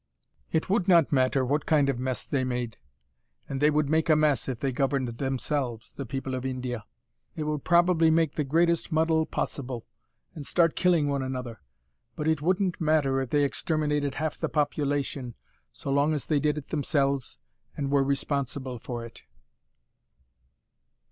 "It would not matter what kind of mess they made and they would make a mess, if they governed themselves, the people of India. They would probably make the greatest muddle possible and start killing one another. But it wouldn't matter if they exterminated half the population, so long as they did it themselves, and were responsible for it."